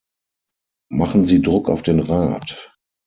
Machen Sie Druck auf den Rat!